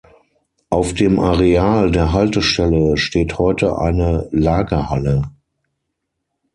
Auf dem Areal der Haltestelle steht heute eine Lagerhalle.